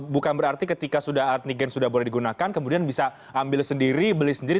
bukan berarti ketika antigen sudah boleh digunakan kemudian bisa ambil sendiri beli sendiri